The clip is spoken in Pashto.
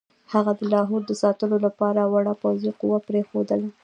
هغه د لاهور د ساتلو لپاره وړه پوځي قوه پرېښودله.